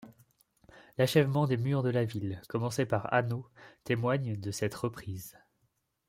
L’achèvement des murs de la ville, commencé par Anno, témoignent de cette reprise.